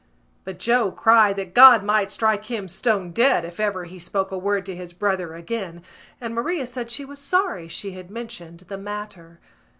But Joe cried that God might strike him stone dead if ever he spoke a word to his brother again and Maria said she was sorry she had mentioned the matter.